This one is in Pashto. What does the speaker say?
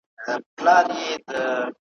خو ددې شعر په هکله مهمه یادونه دا ده `